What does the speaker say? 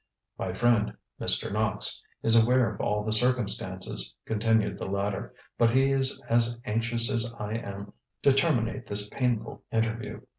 ŌĆ£My friend, Mr. Knox, is aware of all the circumstances, ŌĆØ continued the latter, ŌĆ£but he is as anxious as I am to terminate this painful interview.